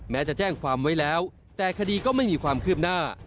แม้จะแจ้งความไว้แล้วแต่คดีก็ไม่มีความคืบหน้า